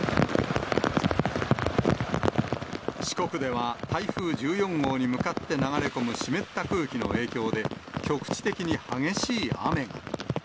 四国では台風１４号に向かって流れ込む湿った空気の影響で、局地的に激しい雨が。